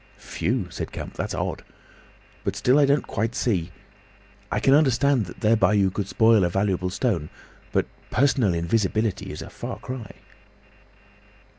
"Phew!" said Kemp. "That's odd! But still I don't see quite ... I can understand that thereby you could spoil a valuable stone, but personal invisibility is a far cry."